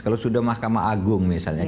kalau sudah mahkamah agung misalnya